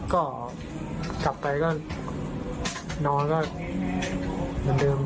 ก็กลับไปนอนอย่างเดิม